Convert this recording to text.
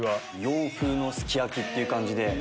洋風のすき焼きっていう感じで。